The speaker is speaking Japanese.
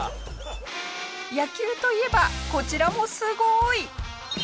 野球といえばこちらもすごい！